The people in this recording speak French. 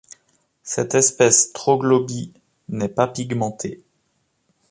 Cette espèce troglobie n'est pas pigmentée.